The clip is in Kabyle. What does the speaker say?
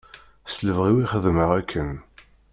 S lebɣi-w i xedmeɣ akken.